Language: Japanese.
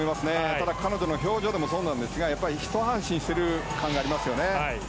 ただ、彼女の表情もそうなんですがやっぱり、ひと安心している感がありますよね。